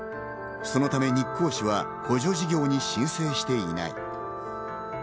そのため、日光市は補助事業に申請していない。